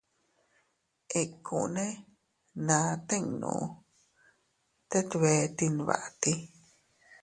Ikkune naa tinnu, tet bee tinbatii.